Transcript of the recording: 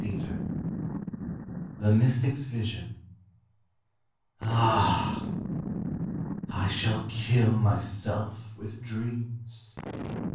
THE MYSTIC'S VISION Ah! I shall kill myself with dreams!